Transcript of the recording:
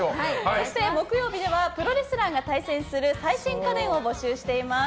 そして木曜日ではプロレスラーが対戦する最新家電を募集しています。